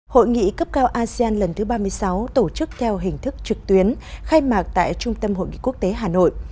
hội nghị cấp cao asean lần thứ ba mươi sáu tổ chức theo hình thức trực tuyến khai mạc tại trung tâm hội nghị quốc tế hà nội